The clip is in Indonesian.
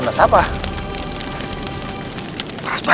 jangan sampai kita terlambat sedikit